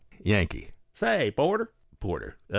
4T Yankee. "Say, porter." Porter.